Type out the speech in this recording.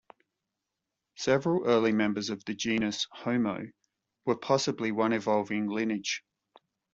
Several early members of the genus Homo were possibly one evolving lineage.